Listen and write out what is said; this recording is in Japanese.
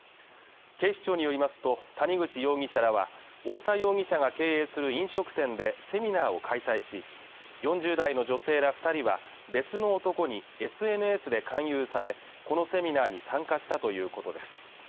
警視庁によりますと谷口容疑者らは太田容疑者が経営する飲食店でセミナーを開催し４０代の女性ら二人は別の男にＳＮＳで勧誘されこのセミナーに参加したということです